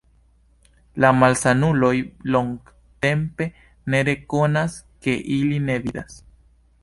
La malsanuloj longtempe ne rekonas, ke ili ne vidas.